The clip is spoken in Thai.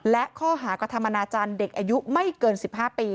และข้อหากระทำอนาจารย์เด็กอายุไม่เกิน๑๕ปี